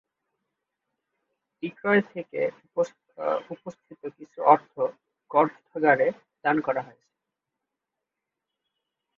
বিক্রয় থেকে উত্থাপিত কিছু অর্থ গ্রন্থাগারে দান করা হয়েছে।